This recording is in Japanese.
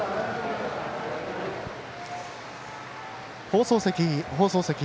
放送席、放送席。